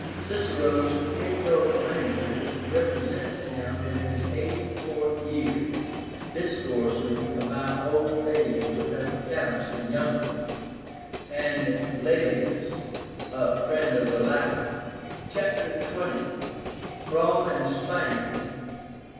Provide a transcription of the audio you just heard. Cicero's "Cato Major" represents him in his eighty fourth year discoursing about old age with Africánus the younger, and Laelius, a friend of the latter. CHAPTER XX. ROME AND SPAIN.